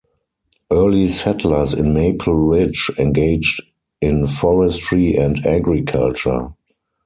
Early settlers in Maple Ridge engaged in forestry and agriculture.